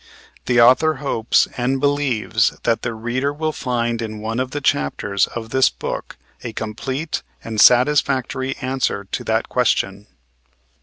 The author hopes and believes that the reader will find in one of the chapters of this book a complete and satisfactory answer to that question.